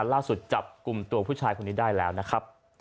ล่าสุดจับกลุ่มตัวผู้ชายคนนี้ได้แล้วนะครับ